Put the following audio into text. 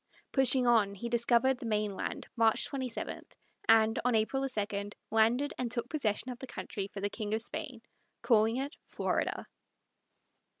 Pushing on, he discovered the mainland March 27, and, on April 2, landed and took possession of the country for the King of Spain, calling it Florida.